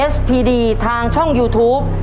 สพีดีทางช่องยูทูป